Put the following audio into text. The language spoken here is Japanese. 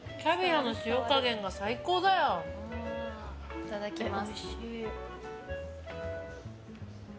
いただきます。